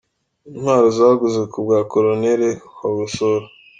Intwaro zaguzwe ku bwa Col Bagosora.